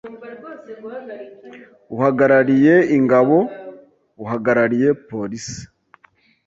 Uhagarariye Ingabo; Uhagarariye Police;